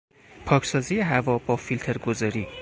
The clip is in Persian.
پاکسازی هوا با فیلتر گذاری